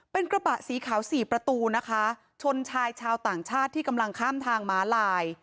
เป็นกระบะสีขาวสี่ประตูนะคะชนชายชาวต่างชาติที่กำลังข้ามทางม้าลาย